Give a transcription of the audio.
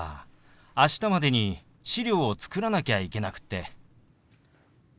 明日までに資料を作らなきゃいけなくって。